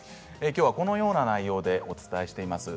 きょうは、このような内容でお伝えしています。